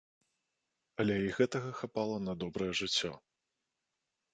Але і гэтага хапала на добрае жыццё.